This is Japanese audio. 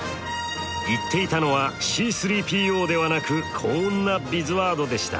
言っていたのはＣ−３ＰＯではなくこんなビズワードでした。